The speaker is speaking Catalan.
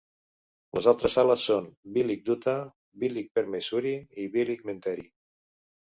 Les altres sales són "Bilik Duta" "Bilik Permaisuri" i "Bilik Menteri".